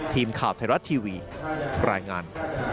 ทีมข่าวไทยรัฐทีวีรายงาน